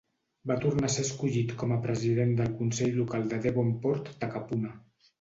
Va tornar a ser escollit com a president del Consell local de Devonport-Takapuna.